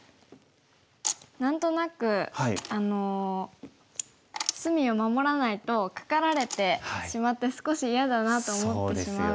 何となく隅を守らないとカカられてしまって少し嫌だなと思ってしまうんですが。